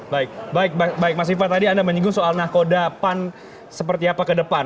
baik baik mas viva tadi anda menyinggung soal nahkoda pan seperti apa ke depan